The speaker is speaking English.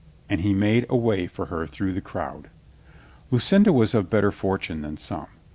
And he made a way for her through the crowd. Lucinda was of better fortune than some.